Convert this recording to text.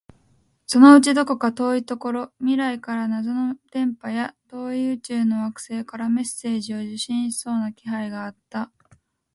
そのうちどこか遠いところ、未来から謎の電波や、遠い宇宙の惑星からメッセージを受信しそうな気配があった